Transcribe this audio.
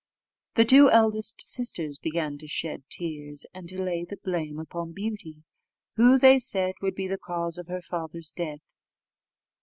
The two eldest sisters now began to shed tears, and to lay the blame upon Beauty, who, they said, would be the cause of her father's death.